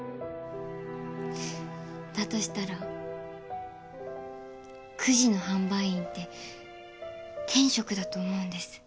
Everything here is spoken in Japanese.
だとしたらくじの販売員って天職だと思うんです。